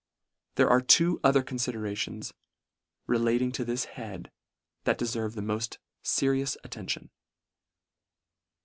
There are two other coniiderations, re lating to this head, that deferve the moft ferious attention.